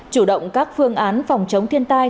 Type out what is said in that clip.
chủ động các phương án phòng chống thiên tai